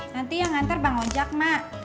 nanti yang nganter bang ojak mak